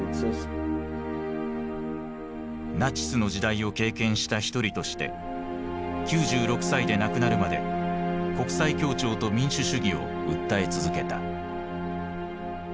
ナチスの時代を経験した一人として９６歳で亡くなるまで国際協調と民主主義を訴え続けた。